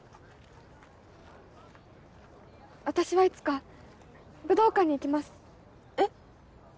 私はいつか武道館にいきますえっ！